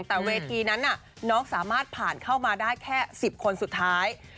แต่เวทีนั้นน้องสามารถผ่านเข้ามาได้แค่๑๐คนสุดท้าย